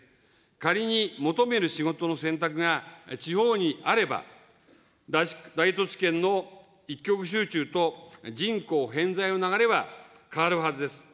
仮に求める仕事の選択が地方にあれば、大都市圏の一極集中と人口偏在の流れは、変わるはずです。